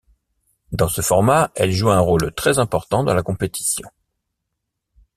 Dans ce format, elles jouent un rôle très important dans la compétition.